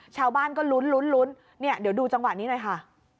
ชาวบ้านก็ลุ้นเดี๋ยวดูจังหวัดนี้หน่อยค่ะ